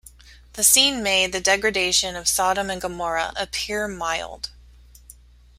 The scene made the degradation of Sodom and Gomorrah appear mild.